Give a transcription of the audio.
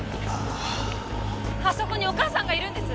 あそこにお母さんがいるんです！